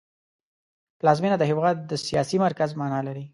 پلازمېنه د هېواد د سیاسي مرکز مانا لري